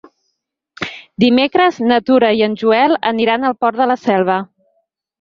Dimecres na Tura i en Joel aniran al Port de la Selva.